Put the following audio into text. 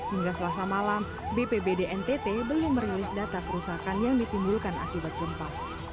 hingga selasa malam bpbd ntt belum merilis data kerusakan yang ditimbulkan akibat gempa